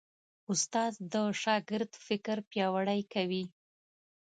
استاد د شاګرد فکر پیاوړی کوي.